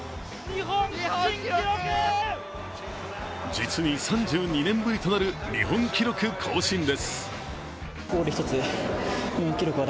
実に３２年ぶりとなる日本記録更新です。